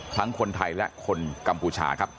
คนไทยและคนกัมพูชาครับ